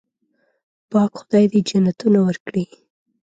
پاک خدای دې جنتونه ورکړي.